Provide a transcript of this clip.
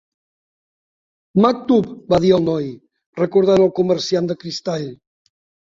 "Maktub", va dir el noi, recordant el comerciant de cristall.